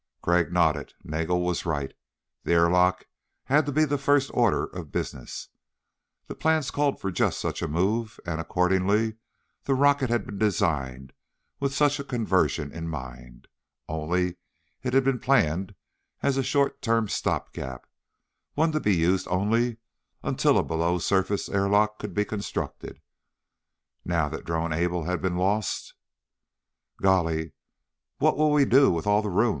Crag nodded. Nagel was right. The airlock had to be the first order of business. The plans called for just such a move and, accordingly, the rocket had been designed with such a conversion in mind. Only it had been planned as a short term stopgap one to be used only until a below surface airlock could be constructed. Now that Drone Able had been lost "Golly, what'll we do with all the room?"